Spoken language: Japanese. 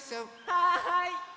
はい！